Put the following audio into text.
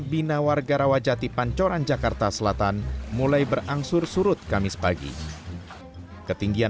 binawar garawa jati pancoran jakarta selatan mulai berangsur surut kamis pagi ketinggian